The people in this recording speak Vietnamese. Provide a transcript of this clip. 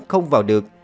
không vào được